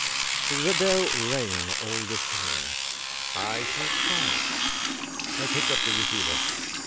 ' The bell rang all the same. I shall tiy it.' I picked up the receiver.